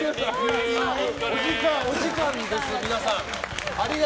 お時間です、皆さん。